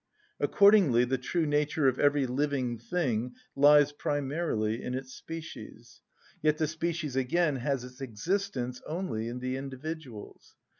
Accordingly the true nature of every living thing lies primarily in its species: yet the species again has its existence only in the individuals.